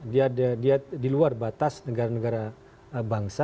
dia di luar batas negara negara bangsa